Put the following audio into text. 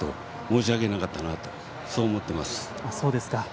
申し訳なかったなと思っています。